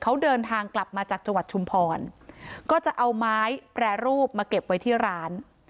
เขาเดินทางกลับมาจากจังหวัดชุมพรก็จะเอาไม้แปรรูปมาเก็บไว้ที่ร้าน